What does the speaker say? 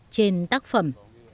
trên tác phẩm